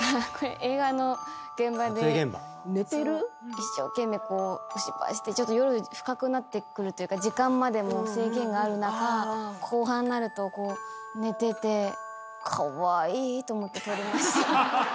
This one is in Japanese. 一生懸命お芝居してちょっと夜深くなってくるというか時間まで制限がある中後半になると寝てて。と思って撮りました。